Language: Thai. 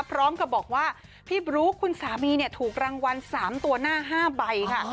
พร้อมกับบอกว่าพี่บลุ๊กคุณสามีเนี่ยถูกรางวัล๓ตัวหน้า๕ใบค่ะ